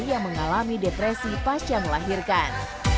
yang mengalami depresi pasca melahirkan